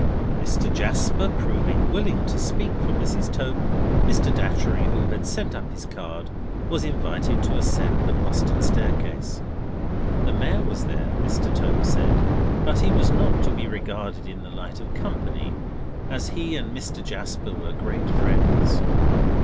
Mr. Jasper proving willing to speak for Mrs. Tope, Mr. Datchery, who had sent up his card, was invited to ascend the postern staircase. The Mayor was there, Mr. Tope said; but he was not to be regarded in the light of company, as he and Mr. Jasper were great friends.